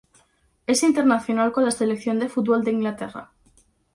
Es internacional con la selección de fútbol de Inglaterra.